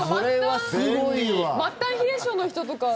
末端冷え性の人とかは。